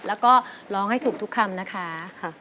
แล้วก็ร้องให้ถูกทุกคำนะคะ